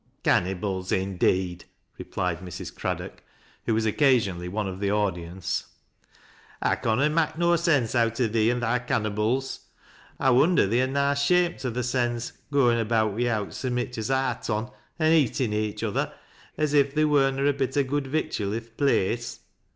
" Cannybles, indeed !" replied Mrs. Craddcck, whc was occasionally one of the audience. " I conna mak' no sense out o' thee an' thy cannybles. I wonder they are na' shamt o' theirsens, goin' about wi'out so mich as a hat on, an' eatin' each other, as if there wur na a bit o' good victual i' th' place.